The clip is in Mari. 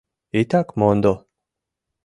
Итак мондо!